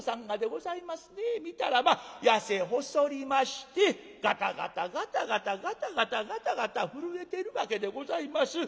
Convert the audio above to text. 見たらまあ痩せ細りましてガタガタガタガタガタガタガタガタ震えてるわけでございます。